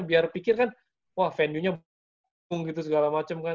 biar pikir kan wah venue nya bung gitu segala macem kan